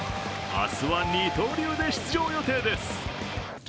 明日は二刀流で出場予定です。